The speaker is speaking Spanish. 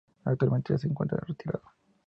Actualmente ya se encuentra retirado.